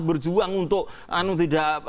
berjuang untuk tidak